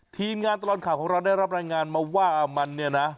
ทีมงานตลอดข่าวของเราได้รับรายงานมาว่ามันเนี่ยนะ